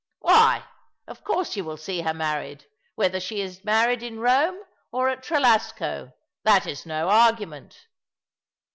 " WTiy, of course, you will see her married, whether she be married in Rome or at Trelasco. That is no argu ment."